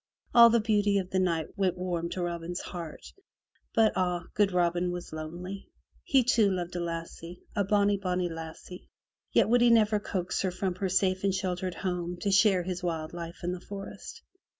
All the beauty of the night went warm to Robin's heart, but ah! good Robin was lonely. He, too, loved a lassie, a bonny, bonny lassie, yet would he never coax her from her safe and sheltered home to share his wild life in the forest.